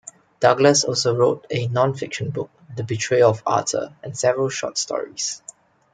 Douglass also wrote a non-fiction book, "The Betrayal of Arthur", and several short stories.